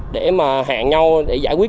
để hẹn nhau giải quyết